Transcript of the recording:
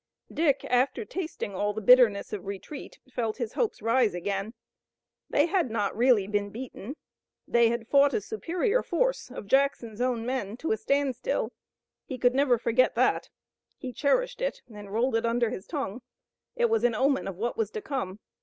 Dick, after tasting all the bitterness of retreat, felt his hopes rise again. They had not really been beaten. They had fought a superior force of Jackson's own men to a standstill. He could never forget that. He cherished it and rolled it under his tongue. It was an omen of what was to come.